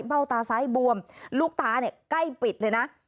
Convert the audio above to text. เบ้าตาซ้ายบวมลูกตาเนี่ยใกล้ปิดเลยนะ